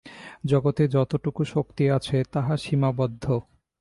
জগতে যতটুকু শক্তি আছে, তাহা সীমাবদ্ধ।